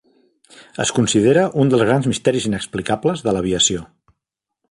Es considera un dels grans misteris inexplicables de l'aviació.